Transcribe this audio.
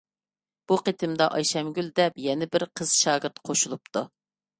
بۇ قېتىمدا ئايشەمگۈل دەپ يەنە بىر قىز شاگىرت قوشۇلۇپتۇ.